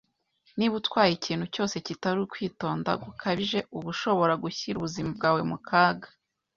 Niba utwaye ikintu cyose kitari ukwitonda gukabije, uba ushobora gushyira ubuzima bwawe mu kaga.